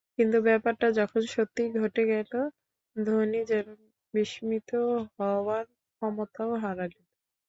কিন্তু ব্যাপারটা যখন সত্যিই ঘটে গেল, ধোনি যেন বিস্মিত হওয়ার ক্ষমতাও হারালেন।